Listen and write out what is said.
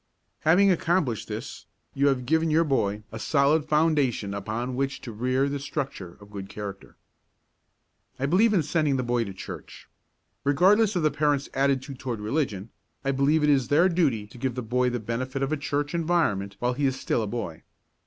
Having accomplished this, you have given your boy a solid foundation upon which to rear the structure of good character. I believe in sending the boy to the church. Regardless of the parents' attitude toward religion, I believe it is their duty to give the boy the benefit of a church environment while he is still a boy.